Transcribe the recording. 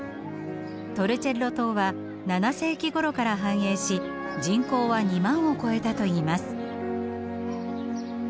トルチェッロ島は７世紀ごろから繁栄し人口は２万を超えたといいます。